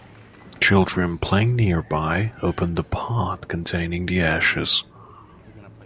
Children playing nearby opened the pot containing the ashes.